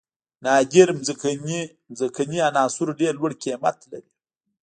نادره ځمکنۍ عناصر ډیر لوړ قیمت لري.